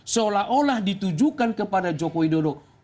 karena itu pernah ditujukan kepada jokowi dulu